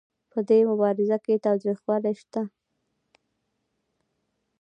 په دې مبارزه کې تاوتریخوالی نشته.